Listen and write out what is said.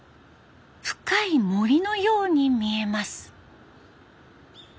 深い森のように見えます。